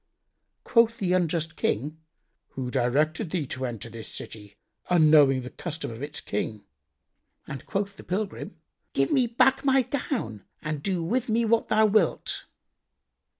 Quoth the unjust King, "Who directed thee to enter this city, unknowing the custom of its King?"; and quoth the pilgrim, "Give me back my gown and do with me what thou wilt."